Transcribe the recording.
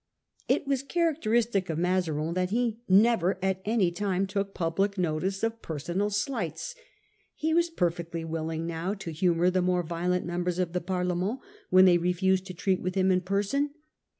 It was characteristic of Mazarin that he never at any time took public notice of personal slights. He was per Msuarin's fectly willing now to humour the more violent personaT 1 ° f mem b ers of the Parliament when they refused attacks. to treat with him in person.